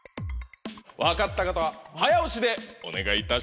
分かった方は早押しでお願いいたします。